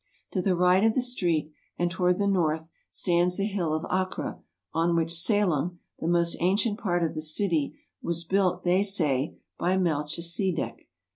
To the right of the street, and toward the north, stands the hill of Acra, on which Salem, the most ancient part of the city, was built, they say, by Melchisedek.